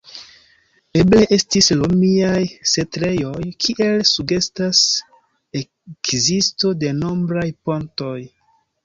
Eble estis romiaj setlejoj, kiel sugestas ekzisto de nombraj pontoj.